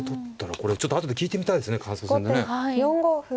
これちょっと後で聞いてみたいですね感想戦でね。